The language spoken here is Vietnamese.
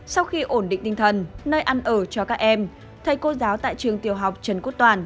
sau khi ổn định tinh thần nơi ăn ở cho các em thầy cô giáo tại trường tiểu học trần quốc toàn